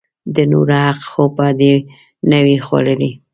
د نورو حق خو به دې نه وي خوړلئ!